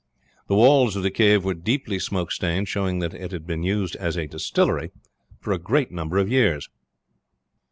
The walls of the cave were deeply smoke stained, showing that it had been used as a distillery for a great number of years.